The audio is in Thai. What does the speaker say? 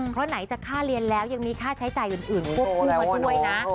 เพราะไหนจะค่าเรียนแล้วยังมีค่าใช้จ่ายอื่นควบคู่มาด้วยนะ